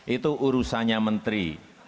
itu urusannya menteri